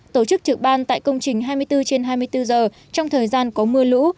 tổ chức trực ban tại công trình hai mươi bốn trên hai mươi bốn giờ trong thời gian có mưa lũ